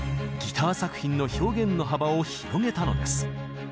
ギター作品の表現の幅を広げたのです。